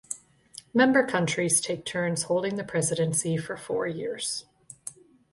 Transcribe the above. Member countries take turns holding the presidency for four years.